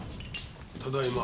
ただいま。